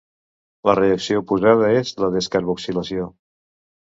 La reacció oposada és la descarboxilació.